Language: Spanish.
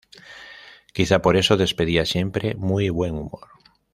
Quizá por eso despedía siempre muy buen humor.